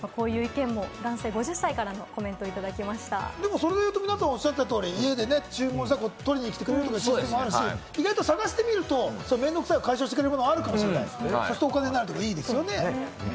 それで言うと、皆さん、おっしゃった通り、家に取りに来てくれるとかもあるし、意外と探してみると面倒くささを解消してくれるものもあって、お金になるならいいですよね。